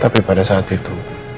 tapi pada saat itu